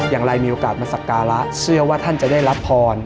อย่างไรมีโอกาสมาสักการะเชื่อว่าท่านจะได้รับพร